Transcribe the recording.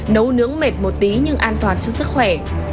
nấu nướng mệt một tí nhưng an toàn cho sức khỏe